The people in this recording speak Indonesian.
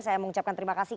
saya mengucapkan terima kasih